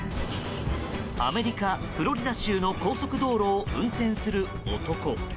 アメリカ・フロリダ州の高速道路を運転する男。